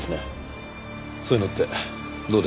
そういうのってどうですかね。